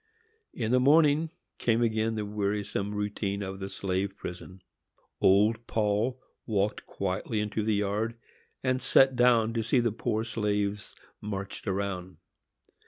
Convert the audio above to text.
In the morning came again the wearisome routine of the slave prison. Old Paul walked quietly into the yard, and sat down to see the poor slaves marched around.